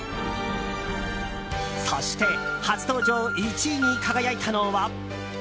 そして初登場１位に輝いたのは。